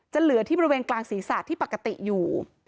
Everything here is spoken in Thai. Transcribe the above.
เหลือที่บริเวณกลางศีรษะที่ปกติอยู่